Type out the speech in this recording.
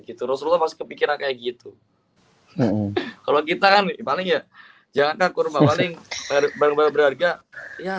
gitu rasulullah kepikiran kayak gitu kalau kita kan paling ya jangan takut paling berharga ya